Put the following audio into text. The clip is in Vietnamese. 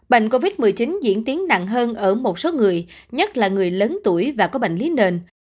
bệnh covid một mươi chín diễn tiến nặng hơn ở một số người nhất là người lớn tuổi và có bệnh lý nền